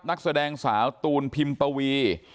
นักแสดงสาวตูนพิมปวี